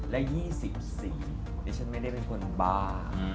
และยี่สิบสี่ดิฉันไม่ได้เป็นคนบา